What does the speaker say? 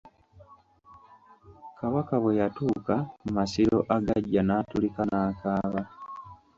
Kabaka bwe yatuuka ku masiro agaggya n'atulika n'akaaba.